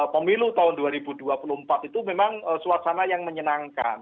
pemilu tahun dua ribu dua puluh empat itu memang suasana yang menyenangkan